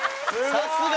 さすが！